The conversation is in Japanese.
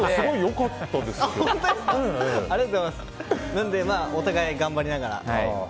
なので、お互いに頑張りながら。